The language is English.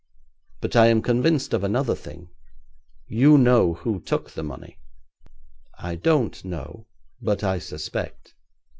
But I am convinced of another thing. You know who took the money.' 'I don't know, but I suspect.'